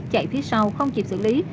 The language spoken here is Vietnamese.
chạy phía sau không chịp xử lý